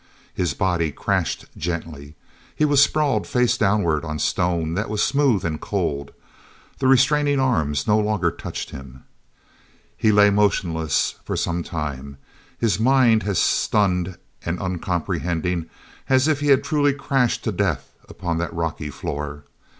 His body crashed gently; he was sprawled face downward on stone that was smooth and cold. The restraining arms no longer touched him. He lay motionless for some time, his mind as stunned and uncomprehending as if he had truly crashed to death upon that rocky floor.